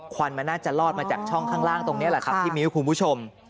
วันมันน่าจะลอดมาจากช่องข้างล่างตรงนี้แหละครับพี่มิ้วคุณผู้ชม